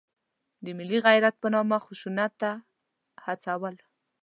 د ملي غیرت په نامه خشونت ته هڅول.